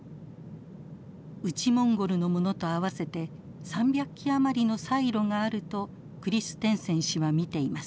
内モンゴルのものと合わせて３００基余りのサイロがあるとクリステンセン氏は見ています。